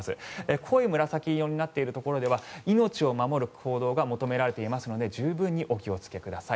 濃い紫色になっているところでも命を守る行動が求められていますので十分にお気をつけください。